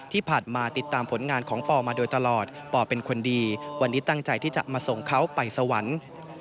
ที่ผ่านมาติดตามผลงานของปอมาโดยตลอดปอเป็นคนดีวันนี้ตั้งใจที่จะมาส่งเขาไปสวรรค์